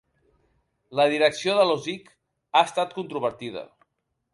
La direcció de Losique ha estat controvertida.